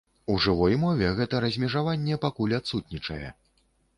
У жывой мове гэта размежаванне пакуль адсутнічае.